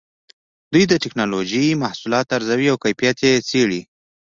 دوی د ټېکنالوجۍ محصولات ارزوي او کیفیت یې څېړي.